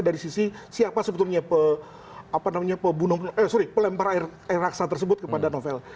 dari sisi siapa sebetulnya pelempar air raksa tersebut kepada novel